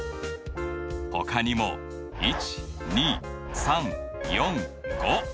ほかにも１２３４５